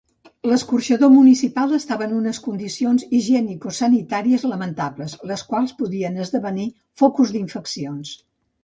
L'escorxador municipal estava en unes condicions higienicosanitàries lamentables, les quals podien esdevenir focus d'infeccions.